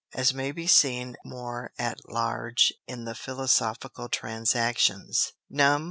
As may be seen more at large in the Philosophical Transactions, Numb.